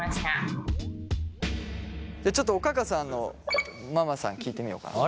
ちょっとおかかさんのママさん聞いてみようかな。